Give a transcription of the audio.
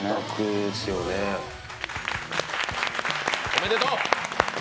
おめでとう！